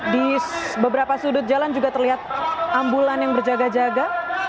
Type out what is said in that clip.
di beberapa sudut jalan juga terlihat ambulan yang berjaga jaga